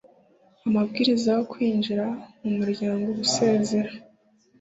amabwiriza yo kwinjira mu muryango gusezera